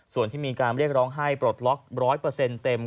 ส่วนที่มีการเรียกร้องให้ปลดล็อก๑๐๐เต็ม